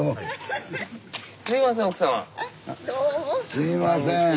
すいません。